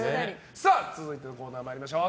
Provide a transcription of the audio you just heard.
続いてのコーナー参りましょう。